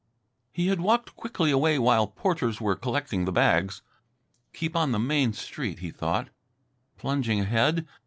XV He had walked quickly away while porters were collecting the bags. "Keep on the main street," he thought, plunging ahead.